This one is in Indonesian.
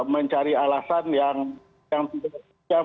mencari alasan yang